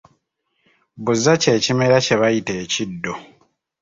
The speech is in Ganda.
Bbuza kye kimera kye bayita ekiddo.